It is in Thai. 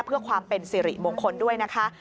เพื่อความเป็นสิริมงคลด้วยนะคะ